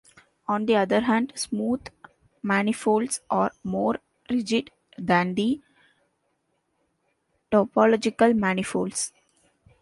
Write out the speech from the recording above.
On the other hand, smooth manifolds are more rigid than the topological manifolds.